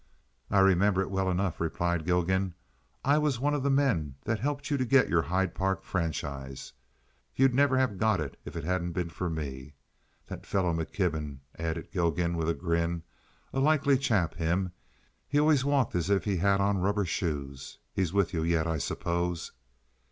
"I remember it well enough," replied Gilgan. "I was one of the men that helped you to get your Hyde Park franchise. You'd never have got it if it hadn't been for me. That fellow McKibben," added Gilgan, with a grin, "a likely chap, him. He always walked as if he had on rubber shoes. He's with you yet, I suppose?"